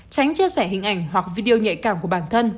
tránh chia sẻ hình ảnh hoặc video nhạy cảm của bản thân